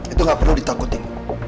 itu gak perlu ditakutin